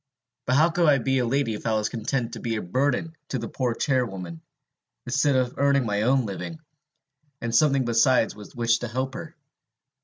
But how could I be a lady if I was content to be a burden to a poor charwoman, instead of earning my own living, and something besides with which to help her?